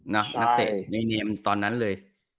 นักเตะในเนียมตอนนั้นเลย